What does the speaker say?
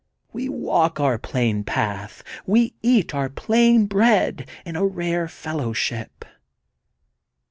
• *fWe walk our plain path! We eat our plain bread in a rare fellowship!